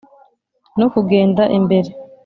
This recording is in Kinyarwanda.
no kugenda imbere.